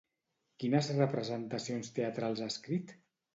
Quines representacions teatrals ha escrit?